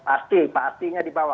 pasti pastinya dibawa